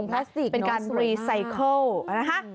เป็นการรีไซเคิลนะคะ